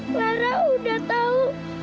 lara udah tahu